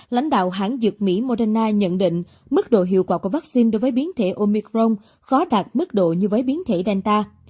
lãnh đạo hãng dược mỹ moderna nhận định mức độ hiệu quả của vaccine đối với biến thể omicron khó đạt mức độ như với biến thể danta